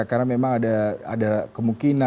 karena memang ada kemungkinan